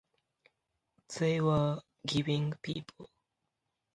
They were giving people.